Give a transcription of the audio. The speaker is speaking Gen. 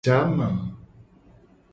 Jama.